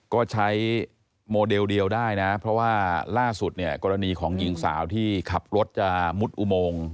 ก็ใช้โมเดลเดียวได้นะเพราะว่าล่าสุดเนี่ยกรณีของหญิงสาวที่ขับรถจะมุดอุโมง